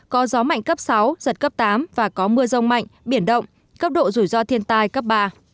có gió mạnh cấp sáu giật cấp tám và có mưa rông mạnh biển động cấp độ rủi ro thiên tai cấp ba